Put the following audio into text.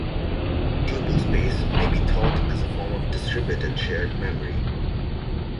Tuple space may be thought as a form of distributed shared memory.